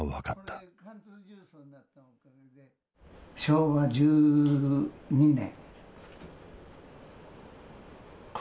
昭和１２年。